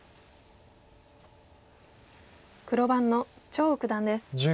黒番の張栩九段です。